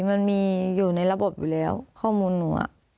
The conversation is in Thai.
มันมีอยู่ในระบบอยู่แล้วข้อมูลหนู